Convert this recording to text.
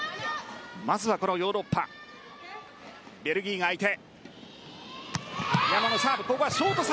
まずはヨーロッパ、ベルギーが相手。